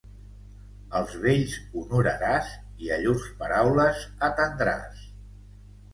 Als vells honoraràs i a llurs paraules atendràs.